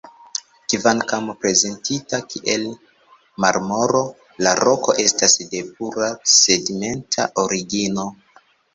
Kvankam prezentita kiel marmoro, la roko estas de pura sedimenta origino.